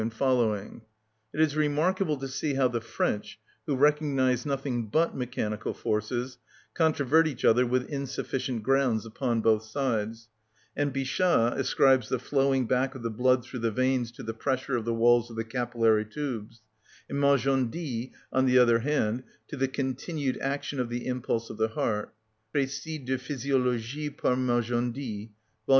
_) It is remarkable to see how the French, who recognise nothing but mechanical forces, controvert each other with insufficient grounds upon both sides; and Bichat ascribes the flowing back of the blood through the veins to the pressure of the walls of the capillary tubes, and Magendie, on the other hand, to the continue action of the impulse of the heart (Précis de Physiologie par Magendie, vol.